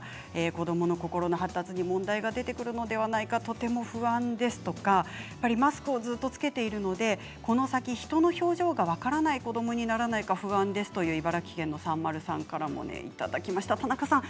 子どもの心の発達に問題が出てくるのではないかととても不安ですとかマスクをずっと着けているのでこの先、人の表情が分からない子どもにならないか不安ですという茨城の方からもいただきました。